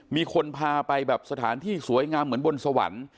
มีคนพาไปแบบสถานที่สวยงามเหมือนบนสวรรค์